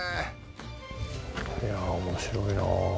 いや面白いなあ。